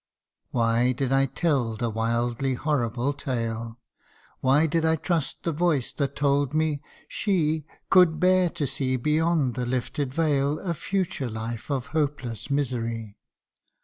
CANTO I. 27 Why did I tell the wildly horrible tale ? Why did I trust the voice that told me she Could bear to see beyond the lifted veil A future life of hopeless misery